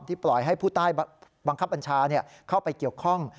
ปล่อยให้ผู้ใต้บังคับบัญชาเข้าไปเกี่ยวข้อง